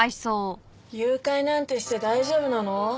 誘拐なんてして大丈夫なの？